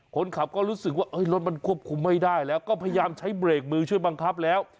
คนขับก็รู้สึกว่ารถมันควบคุมไม่ได้แล้วก็พยายามใช้เบรกมือช่วยบังคับแล้ว